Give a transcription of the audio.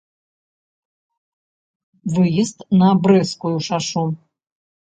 Выезд на брэсцкую шашу.